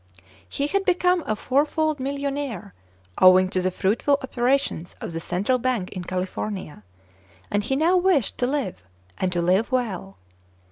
He had become a fourfold mil lionnairey owing to the fruitful operations of the Central Bank in California, and he now wished to live, and to live well.